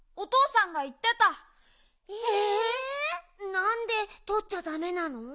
なんでとっちゃダメなの？